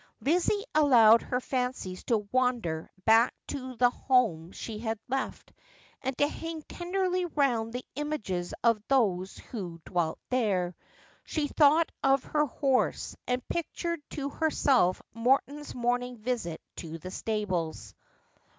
Lizzie allowed her fancies to wonder back to the home she had left, and to hang tenderly round the images of those who dwelt there. She thought of her horse, and pictured to herself Morton's morning visit to the stables.